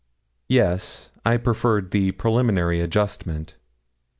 Yes; I preferred the preliminary adjustment.